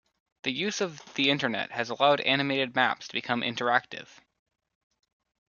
The use of the Internet has allowed animated maps to become interactive.